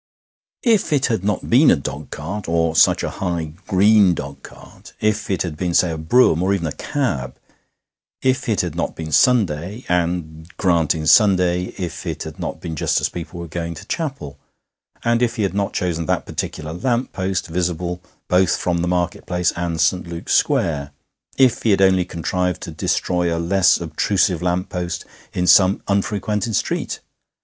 If it had not been a dogcart, and such a high, green dogcart; if it had been, say, a brougham, or even a cab! If it had not been Sunday! And, granting Sunday, if it had not been just as people were going into chapel! If he had not chosen that particular lamp post, visible both from the market place and St. Luke's Square! If he had only contrived to destroy a less obtrusive lamp post in some unfrequented street!